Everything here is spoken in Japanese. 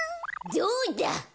どうだ！